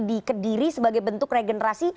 dikediri sebagai bentuk regenerasi